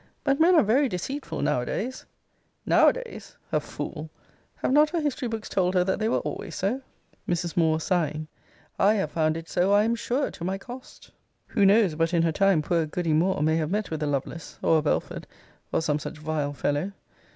But men are very deceitful, now a days. Now a days! A fool! Have not her history books told her that they were always so? Mrs. Moore, sighing. I have found it so, I am sure, to my cost! Who knows but in her time poor goody Moore may have met with a Lovelace, or a Belford, or some such vile fellow?